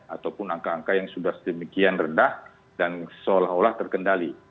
ataupun angka angka yang sudah sedemikian rendah dan seolah olah terkendali